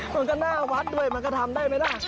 มันก็หน้าวัดด้วยมันก็ทำได้ไหมล่ะ